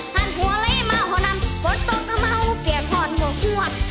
หันหัวเละมาหัวนำฝนตกก็มาหัวเปียกหอนหัวหัว